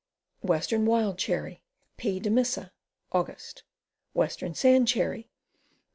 Western Wild Cherry. P. demissa. Aug. Western Sand Cherry.